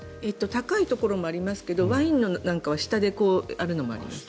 高いところもありますがワイン用のなんかは下であるのもあります。